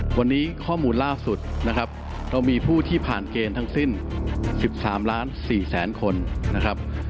วันนี้ข้อมูลล่าสุดนะครับเรามีผู้ที่ผ่านเกณฑ์ทั้งสิ้น๑๓ล้าน๔แสนคนนะครับ